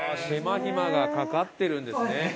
手間ひまがかかってるんですね。